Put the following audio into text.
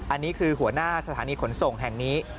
อันนี้คือหัวหน้าสถานีขนส่งแห่งนี้